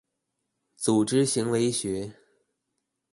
組織行為學